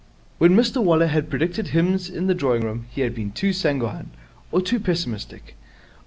When Mr Waller had predicted hymns in the drawing room, he had been too sanguine (or too pessimistic).